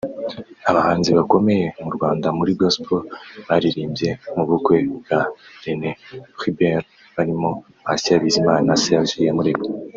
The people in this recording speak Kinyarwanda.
Abahanzi bakomeye mu Rwanda muri gospel baririmbye mu bukwe bwa René Hubert barimo Patient Bizimana na Serge Iyamuremye